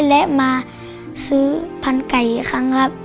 และมาซื้อพันไก่อีกครั้งครับ